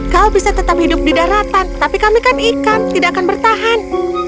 kau bisa tetap hidup di daratan tapi kami kan ikan tidak akan bertahan